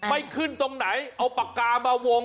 ไม่ขึ้นตรงไหนเอาปากกามาวง